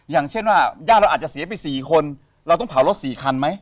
อย่างเช่นว่าญาติเราอาจจะเสียไป๔คนเราต้องเผารถ๔คันไหม